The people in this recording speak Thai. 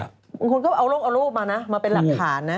คุณก็เอารูปมานะมาเป็นหลักฐานนะ